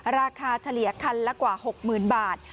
เฉลี่ยคันละกว่า๖๐๐๐บาท